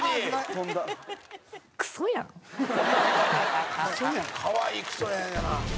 「飛んだ」「かわいい“クソやん！！”やな」